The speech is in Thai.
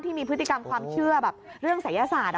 ที่มีพฤติกรรมความเชื่อแบบเรื่องศัยศาสตร์